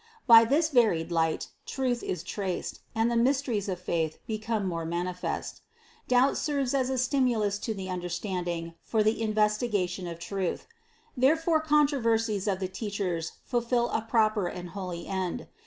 By this varied light, truth is traced, and the mysteries of faith become more manifest. Doubt serves as a stimulus to the understanding for the investi gation of truth. Therefore controversies of the teachers fulfill a proper and holy end.